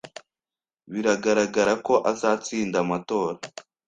Biragaragara ko azatsinda amatora